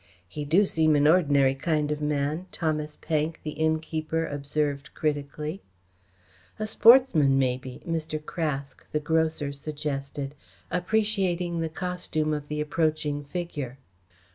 "He do seem an ordinary kind of a man," Thomas Pank, the innkeeper observed critically. "A sportsman, maybe," Mr. Craske, the grocer, suggested, appreciating the costume of the approaching figure.